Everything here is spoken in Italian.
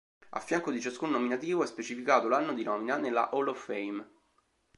A fianco di ciascun nominativo è specificato l'anno di nomina nella Hall of Fame.